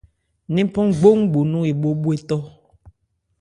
Ńnephan ngbóngbo nɔn ebhó bhwetɔ́.